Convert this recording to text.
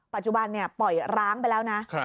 ปัจจุบันปล่อยร้างไปแล้วนะ